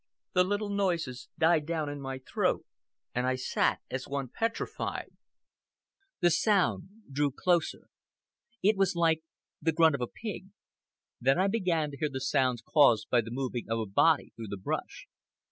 The little noises died down in my throat, and I sat as one petrified. The sound drew closer. It was like the grunt of a pig. Then I began to hear the sounds caused by the moving of a body through the brush.